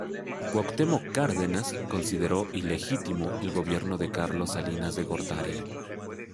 Cuauhtemoc Cárdenas consideró ilegítimo el gobierno de Carlos Salinas de Gortari.